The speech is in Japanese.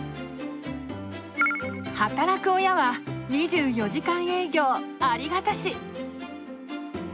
「働く親は２４時間営業、ありがたし！」。